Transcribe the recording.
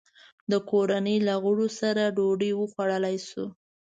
د کورنۍ له غړو سره ډوډۍ وخوړلای شو.